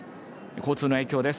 交通の影響です。